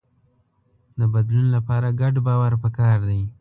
د بدلون لپاره ګډ باور پکار دی.